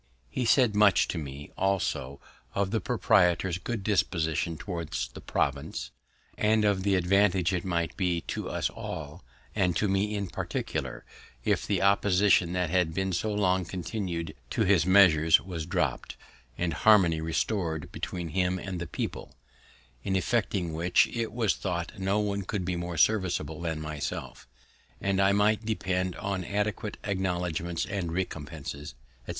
He said much to me, also, of the proprietor's good disposition towards the province, and of the advantage it might be to us all, and to me in particular, if the opposition that had been so long continu'd to his measures was dropt, and harmony restor'd between him and the people; in effecting which, it was thought no one could be more serviceable than myself; and I might depend on adequate acknowledgments and recompenses, etc.